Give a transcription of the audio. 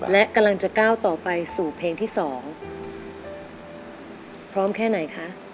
และกำลังจะก้าวต่อไปสู่เพลงที่สองพร้อมแค่ไหนคะ